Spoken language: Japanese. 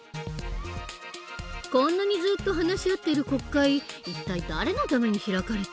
こんなにずっと話し合っている国会一体誰のために開かれてるの？